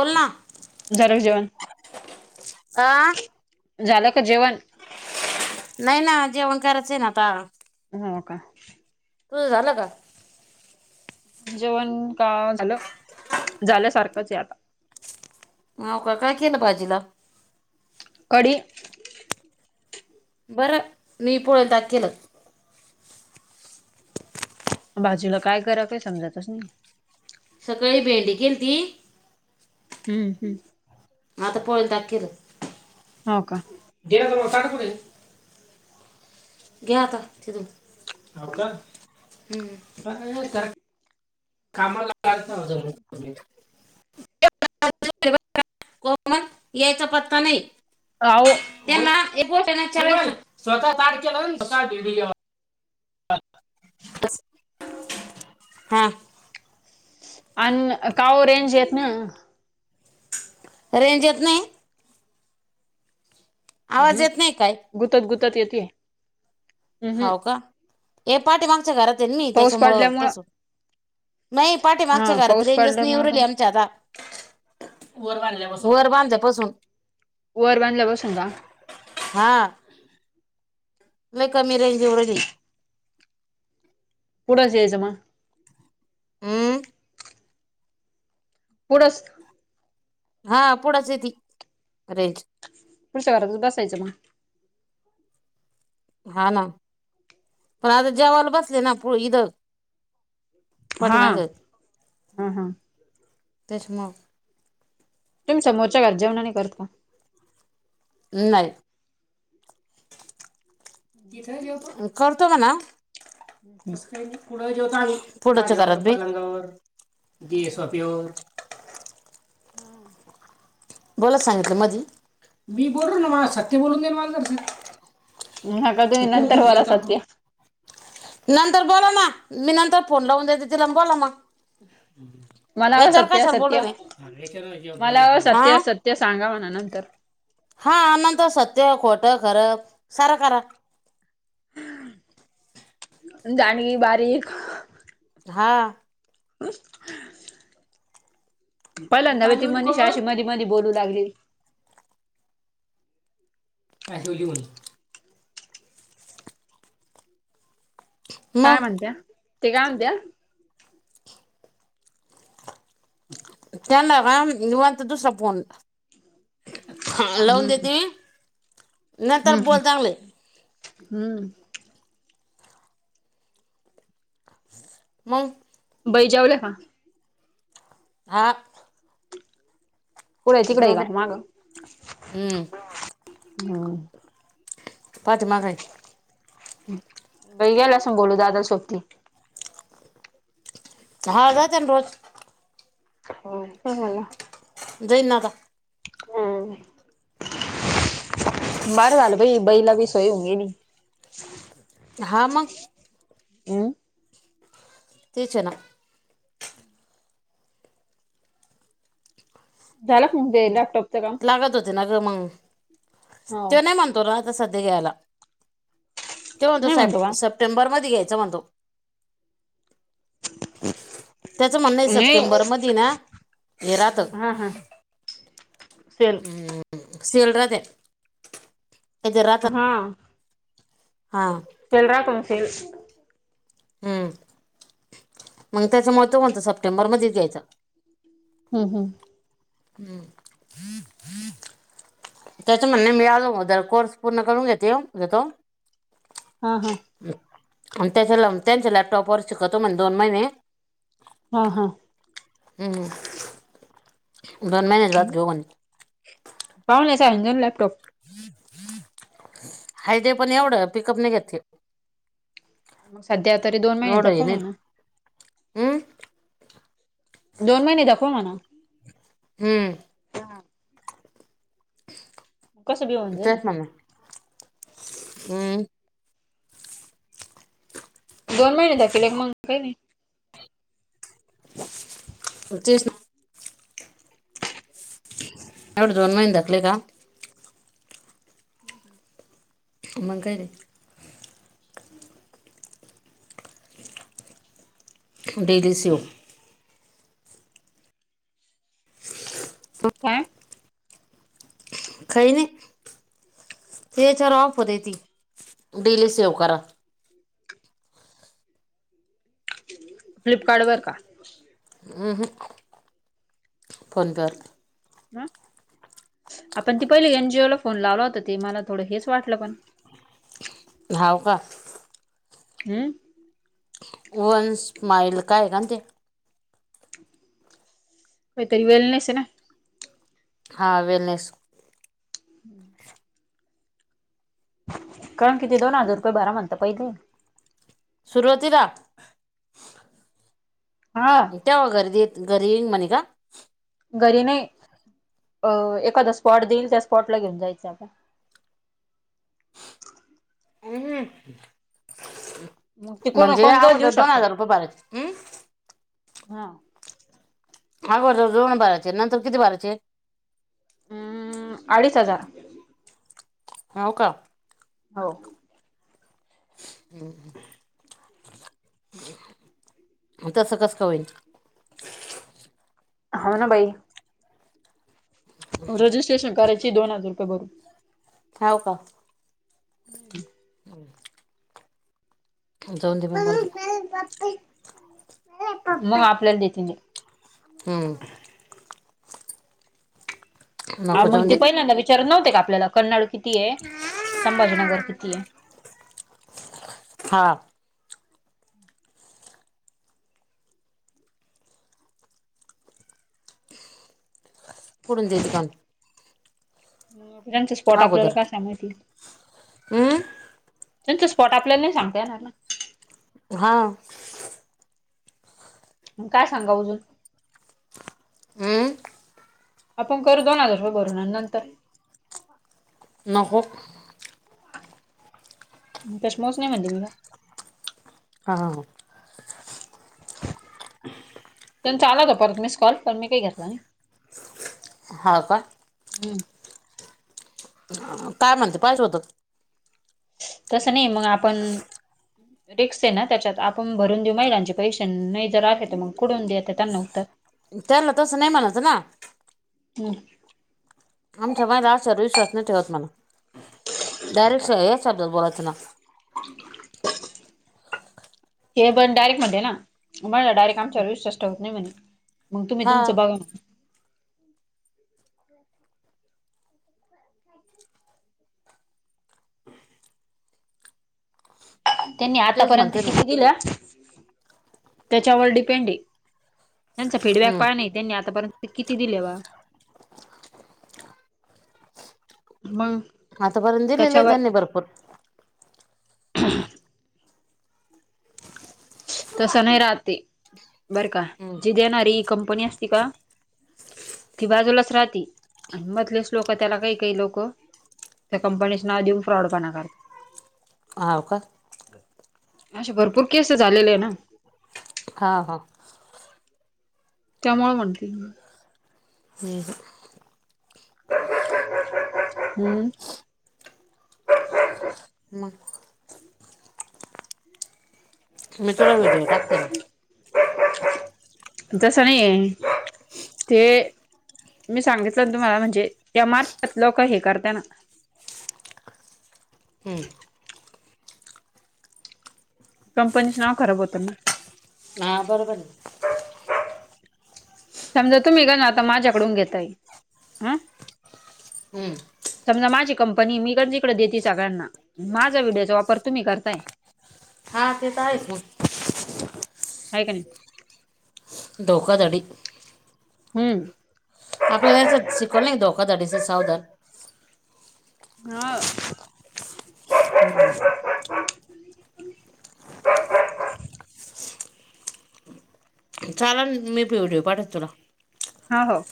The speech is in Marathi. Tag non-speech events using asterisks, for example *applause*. बोल ना झाल का जेवण? आ झालं का जेवण? नाही ना जेवण करायचं ये ना आता. हो का? तुझं झालं का? जेवण का झालं, झाल्यासारखंच आहे आता. हवं का? काय केलं बाजीला? कडी. बरं मी पोळं ताक केलं. भाजीला काय करा काय समजतच नाही. सकळी भेंडे केल ती हम्म हम्म. आता पोळं ताक केल. हो का गेला तर मग साट कुठंय घ्या आता तिथून, हाव का. हूं... काय अ करा कामाला लागत नाही ज *unintelligible* *unintelligible* कॉमन यायचा पत्ता नाही. आवो त्यांना *unintelligible* स्वतः ताट केलं *unintelligible* बसा हा आन का ओ रेंज येत ना? रेंज येत नाही? आवाज हम्म येत नाही काय? गुतत गुतत येतीये. हाव का हे पाठी मागच्या घरात त्यनी पाऊस त्याच्यामुळं पडल्यामुळं तस, नाही पाठीे मागच्या हा घरात पाऊस रेंजच नाही येऊ पडल्यामुळे राहिली पण आमच्या आता. वर बांधल्यापासून, वर बांधल्यापासून. वर बांधल्यापासून का. हा लई कमी रेंज येऊ राहिली. पुढंच यायचं मग. अं.. पुढंच हा पुढंच येती रेंज. पुढच्या घरातच बसायचं मग, हा ना पण आता जेवाला बसले पुडं इद हा पाठीमागं हा हा त्याच्यामुळं तुम्ही समोरच्या जेवणं नाही करत का? नाही. तिथं जेवता, करतो म्हणा तसं काय नाही पुढं जेवता आणि पुडच्या घरात बी जी शॉपी व हा बोला सांगितलं मधी मी बोललो ना मला सत्य बोलून देईन मझ. नका तुम्ही नंतर बोला जेवतो आपण सत्य. नंतर बोला ना, मी नंतर फोन लावून देते तिला म बोला मग. मला हवं येच्यावर सत्य कशाला बोलू सत्य राहिले, याच्यावर बोला काय होते. ते सांगा म्हणा नंतर, हा नंतर सत्य, खोटं, खरं सारं करा. जाणी बारीक हा *unintelligible* तू पहिल्यांदा बी काय ती जेवली मनीषा कोमल अशी मधी- मधी बोलू लागली. काय जेवली म्हण. काय मग म्हणत्या ते काय म्हणत्या? त्यांना राम निवांत दुसरा फोन. ह लावून हम्म देती, नंतर बोल चांगले. हं..... मंग बाई जेवल्या का? हा. पुढे तिकडे जाऊ आहे का द्या मागं? हम्म ह. पाठीमागं आहेत. बाई गेल्या असं बोलू दादा सोबती. *unintelligible* जात रोज हो हो हो. देईन आता. हम्म हम्म. बरं झालं बाई बाईला बी सोय हुंगेनी. हा मग. ह तीच ना. झाला का ते लॅपटॉपचं काम लागत होते ना ग मंग हो ते नाही म्हणतो ना सध्या घ्यायला, ते म्हणतो नाही का सप सप्टेंबर मध्ये घ्यायचा म्हणतो. त्याचं म्हणणं आहे नाही सप्टेंबर मधी ना हे राहतं हा हा सेल हम् सेल राहते. काहीतरी राहतात हा हां सेल राहतो ना सेल. हम्म, मंग त्याच्यामुळे तरं म्हणतो सप्टेंबरमध्येच द्यायचा. हम्म हम्म. हम्म. त्याच म्हणणं आहे मी आगोदर कोर्स पूर्ण करून घेते घेतो हा हा. आणि त्याच्या त्यांच्या लॅपटॉप वर शिकतो म्हणे दोन महिने हा हा. हम्म, दोन महिन्याच्या बाद घेऊ म्हणे. पावण्याचा अंजुन लॅपटॉप *unintelligible* हाय ते पण एवढं पिकअप नाही घेत तो. सध्या तरी दोन महिने एवढं दखव नाही हे ना. हम्म. दोन महिने दाखवा म्हणाव. हम्म. कसं बी होऊन जाई ना तेच म्हणा हम्म दोन महिने दाकिले मंग काही नाही. तेच ना. एवढं दोन महिने घातले का? हम्म हं. मंग काही नाही. डेली सेवह. काय? काय नाही, तेच्यावर ऑफर आहे ती डेली सेव्ह करा. फ्लिपकार्ड वर का? अ हं, कोण जात ह आपण ती पहिली एनजीओ ला फोन लावला होता. ते मला थोडं हेच वाटलं पण हावका, ह, वन्स् स्माईल काय कानते वेथ इवेल नसे ना, हा वेलनेस का किती दोन हजार रुपये भरा म्हणता पहिले. सुरुवातीला हा, तेवा घरी देतील. घरी येईन म्हणे का? घरी नाही अ एखादा स्पॉट देईल. त्या स्पॉटला घेऊन जायचं आता. अहं ते कोणा कोण दोष देऊ अगोदर दोन शकत्या. हजार रुपये भरायचे हं? हा, अगोदर दोन भराचे. नंतर किती भराचे. अ.. अडीच हजार हाव का. हो. *unintelligible* तसं कसं होईल. हाव ना, बाई. रजिस्ट्रेशन करायचे दोन हजार रुपये भरून हाव का. *inaudible* *inaudible* जाऊ दे, मग मरुदे. *unintelligible* मग आपल्याला देते ते. हम्म, आ नको मग जाऊन दे ते पहिल्यांदा विचारत नव्हते का, आपल्याला कन्नड कितीये संभाजीनगर कितीये. हा, पुढून देेती का म्हण. त्यांचे स्पॉट आपल्याला काय सांभळतील. हम्म, त्यांचे स्पॉट आपल्याले नाही सांगता येणार ना, हा, मग काय सांगाव अजून हम्म, आपण करू दोन हजार रुपये भरून आणि नंतर नको. कशमोस नाही म्हणली मीन. हाव. त्यांचा आला होता परत मीस कॉल पण मी काही घेतला नाही. हाका. नाही. काय म्हणतं पाहिजे होत. तसं नाही मग आपण रिक्स आहे ना त्याच्यात, आपण भरून देऊ महिलांचे पैसे नाही जर आले तर मग कुठून द्यायचं त्यांना उत्तर? त्यांना तसं नाही म्हणायचं ना? हम. आमच्या मायला सर्विस *unintelligible* ठेवत म्हन डायरेक्ट या शब्दात बोलायचं ना? ब *inaudible* मी पण डायरेक्ट म्हणते ना, तुम्ही डायरेक्ट आमच्यावर विश्वास ठेवत नाही म्हणे, मग तुम्ही हा तुमचं बघा. हो. त्यांनी तेच आतापर्यंत म्हणते ना किती दिलं, त्याच्यावर डिपेंड आहे. त्यांचा फीडबॅक काय नाही हम्म त्यांनी आतापर्यंत किती दिले बा? मग? आता पर्यंत दिलेल आहे त्याच्यावर त्यांनी भरपूर. ह. तसं नाही राहत ती. बरं का? हम्म जी देणारी कंपनी असती का ती बाजूलाच राहती आणि मधलेच लोक त्याला काही काही लोकं त्या कंपनीचे नाव देऊन फ्रॉड पणा करतात. हाव का? अशा भरपूर केस झालेले आहे ना? हा हा. त्यामुळे म्हणली. नाही *inaudible* हम्म. मग? मी तुला व्हिडिओ टाकते ना? जस नाहीये, ते मी सांगितलं ना तुम्हाला, म्हणजे त्या मारतात लोक हे करताना. हम्म. कंपनीच नाव खराब होत ना? हा बरोबर आहे. समजा तुमी ग ना आता माझ्याकडून घेतय. हं हम्म. समजा माझी कंपनी आहे, मी इकडतिकड देते सगळ्यांना माझा व्हिडिओचा वापर तुम्ही करताय. हा ते तर आहेच का. हाय का नाही? धोकाधडी हम्म. आपल्याला त्यासाठी शिकवलं नाही, धोकादडी से सावधान. हा. ह हम्म. चालन, मी भी व्हिडिओ पाठवते तुला. हा हो.